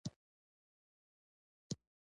د فرد په حیث زموږ مسوولیت څه وي.